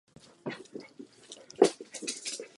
Franky překvapivý útok zaskočil.